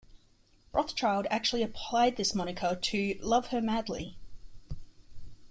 Rothchild actually applied this moniker to "Love Her Madly".